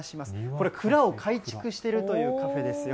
これ、蔵を改築してるというカフェですよ。